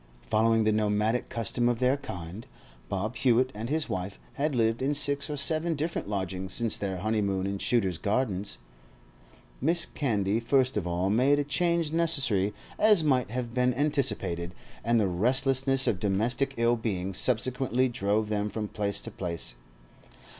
Following the nomadic custom of their kind, Bob Hewett and his wife had lived in six or seven different lodgings since their honeymoon in Shooter's Gardens. Mrs. Candy first of all made a change necessary, as might have been anticipated, and the restlessness of domestic ill being subsequently drove them from place to place.